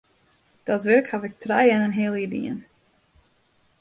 Dat wurk haw ik trije en in heal jier dien.